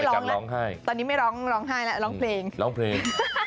ใช่ตอนนี้ไม่ร้องร้องไห้ล่ะร้องเพลงร้องเพลง